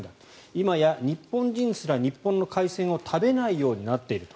今や日本人すら日本の海鮮を食べないようになっていると。